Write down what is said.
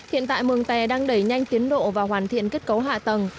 hiện tại mường tè đang đẩy nhanh tiến độ và hoàn thiện kết cấu hạ tầng